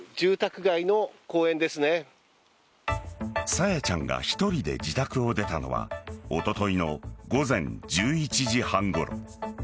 朝芽ちゃんが１人で自宅を出たのはおとといの午前１１時半ごろ。